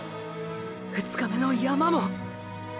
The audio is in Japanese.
２日目の山も。